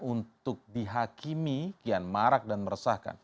untuk dihakimi kian marak dan meresahkan